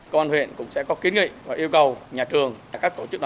cơ quan huyện cũng sẽ có kiến nghị và yêu cầu nhà trường các tổ chức